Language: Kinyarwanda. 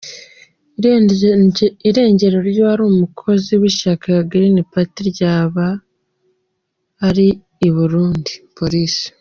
Irengero ry’uwari umukozi w’ishyaka gurini pati ryaba ari i Burundi- Polisi